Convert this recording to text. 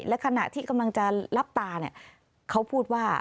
และขณะที่กำลังจะรับตาเนี่ยเขาพูดว่า